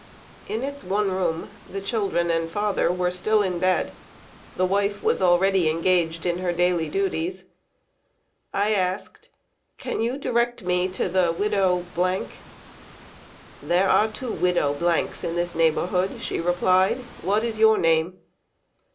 In its one room the children and father were still in bed; the wife was already engaged in her daily duties. I asked: "Can you direct me to the widow ?" "There are two widow s, in this neighborhood," she replied. "What is your name?"